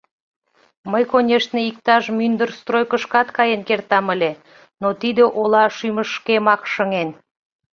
Мый, конешне, иктаж мӱндыр стройкышкат каен кертам ыле, но тиде ола шӱмышкемак шыҥен.